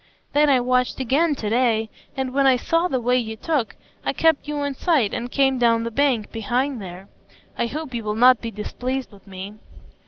Then I watched again to day, and when I saw the way you took, I kept you in sight and came down the bank, behind there. I hope you will not be displeased with me."